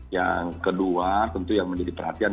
yang kedua tentu yang menjadi perhatian